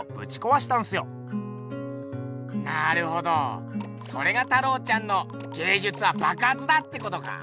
なるほどそれが太郎ちゃんの芸術はばくはつだ！ってことか？